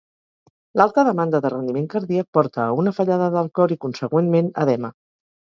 L'alta demanda de rendiment cardíac porta a una fallada del cor, i consegüentment edema.